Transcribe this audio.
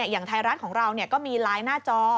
อย่างไทยรัฐของเราก็มีไลน์หน้าจอ